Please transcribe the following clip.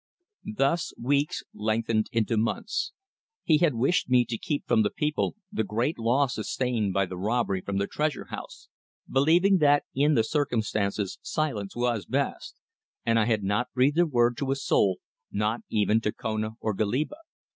Thus weeks lengthened into months. He had wished me to keep from the people the great loss sustained by the robbery from the Treasure house, believing that in the circumstances silence was best, and I had not breathed a word to a soul, not even to Kona or Goliba.